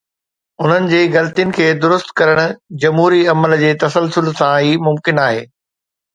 انهن جي غلطين کي درست ڪرڻ جمهوري عمل جي تسلسل سان ئي ممڪن آهي.